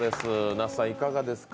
那須さん、いかがですか？